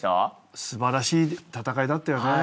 素晴らしい戦いだったよね。